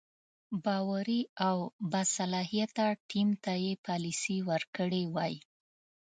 باوري او باصلاحیته ټیم ته یې پالیسي ورکړې وای.